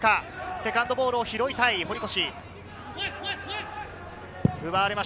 セカンドを拾いたい堀越。